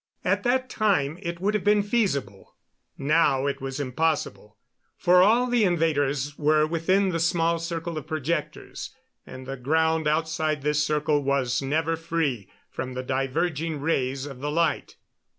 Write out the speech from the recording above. At that time it would have been feasible; now it was impossible, for all the invaders were within the small circle of projectors, and the ground outside this circle was never free from the diverging rays of the light.